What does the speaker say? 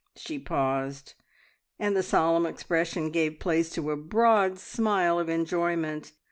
She paused, and the solemn expression gave place to a broad smile of enjoyment.